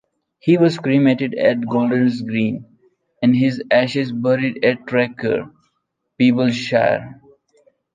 He was cremated at Golder's Green and his ashes buried at Traquair, Peeblesshire.